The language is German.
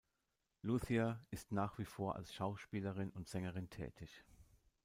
Lúcia ist nach wie vor als Schauspielerin und Sängerin tätig.